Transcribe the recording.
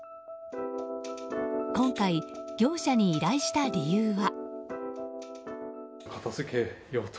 今回、業者に依頼した理由は。